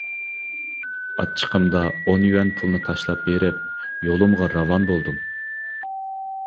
ئاچچىقىمدا ئون يۈەن پۇلنى تاشلاپ بېرىپ، يولۇمغا راۋان بولدۇم.